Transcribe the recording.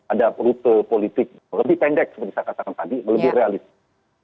ada rute politik lebih pendek seperti saya katakan tadi lebih realistis